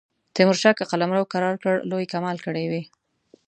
تیمورشاه که قلمرو کرار کړ لوی کمال کړی وي.